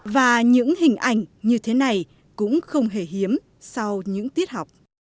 và những hình ảnh như thế này cũng không hề hiếm sau những tiết học